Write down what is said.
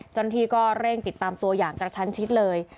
จนที่ก็เร่งติดตามตัวอย่างจากชั้นชิดเลย